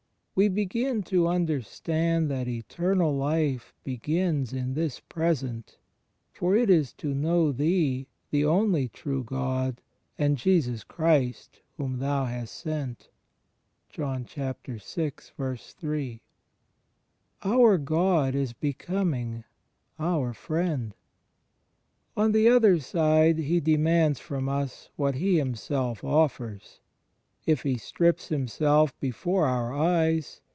We begin to imderstand that Eternal Life begins in this present, for it is to "know Thee, the only true God, and Jesus Christ, whom Thou hast sent" * Our God is becoming our Friend. On the other side He demands from us what He Him self offers. If He strips Himself before our eyes.